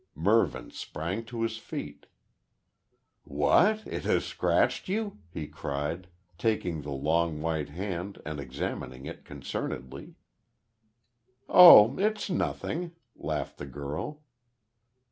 Mervyn sprang to his feet. "What? It has scratched you?" he cried, taking the long white hand and examining it concernedly. "Oh, it's nothing," laughed the girl.